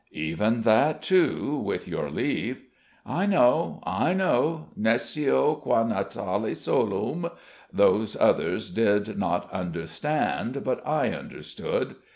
"Even that too, with your leave." "I know I know. Nescio qua natale solum those others did not understand: but I understood.